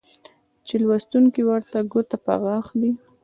چې لوستونکى ورته ګوته په غاښ دى